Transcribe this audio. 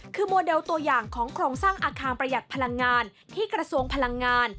คือโมเดลตัวอย่างของโครงสร้างอาคารประหยัดพลังงานที่กระทรวงพลังงาน